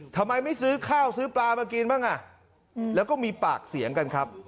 ทำไมไม่ซื้อข้าวซื้อปลามากินบ้างอ่ะแล้วก็มีปากเสียงกันครับ